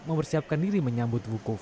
mempersiapkan diri menyambut bukuf